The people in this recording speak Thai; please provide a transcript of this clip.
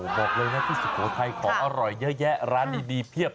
บอกเลยนะที่สุโขทัยของอร่อยเยอะแยะร้านดีเพียบ